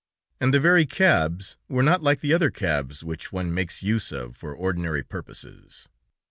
And the very cabs were not like the other cabs which one makes use of for ordinary purposes!